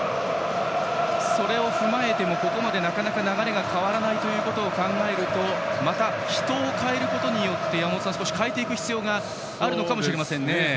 それを踏まえてもここまでなかなか流れが変わらないことを考えるとまた人を代えることによって山本さん、少し変えていく必要がありますかね。